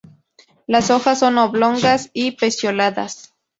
Las hojas son oblongas y pecioladas.